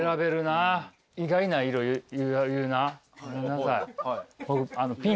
意外な色言うなごめんなさい。